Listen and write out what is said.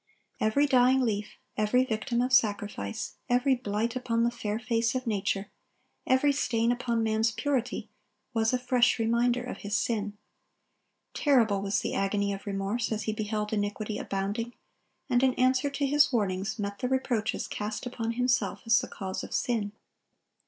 Every dying leaf, every victim of sacrifice, every blight upon the fair face of nature, every stain upon man's purity, was a fresh reminder of his sin. Terrible was the agony of remorse as he beheld iniquity abounding, and, in answer to his warnings, met the reproaches cast upon himself as the cause of sin.